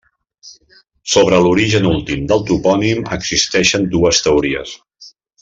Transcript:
Sobre l'origen últim del topònim existeixen dues teories.